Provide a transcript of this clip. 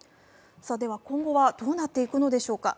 では今後はどうなっていくのでしょうか。